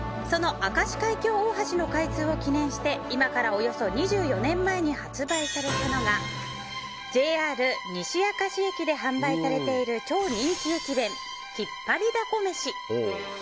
その明石海峡大橋の開通を記念して今からおよそ２４年前に発売されたのがＪＲ西明石駅で販売されている超人気駅弁ひっぱりだこ飯。